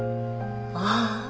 ああ。